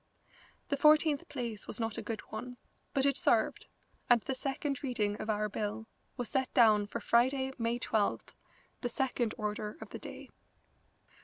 The fourteenth place was not a good one, but it served, and the second reading of our bill was set down for Friday, May 12th, the second order of the day.